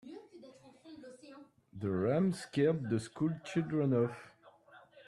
The ram scared the school children off.